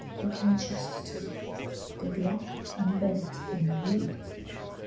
The kchesterton Did locke and bennett in the reed.